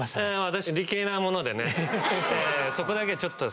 私理系なものでね。